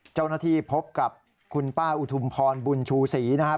เจ้าหน้าที่พบกับคุณป้าอุทุมพรบุญชูศรีนะครับ